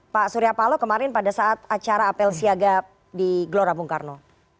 pak surya palo kemarin pada saat acara apel siaga di glora bungkarno